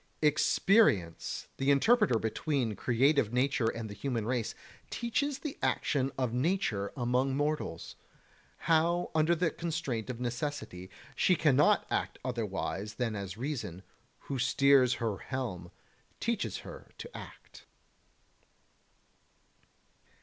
34. Experience, the interpreter between creative nature and the human race, teaches the action of nature among mortals: how under the constraint of necessity she cannot act otherwise than as reason, who steers her helm, teaches her to act.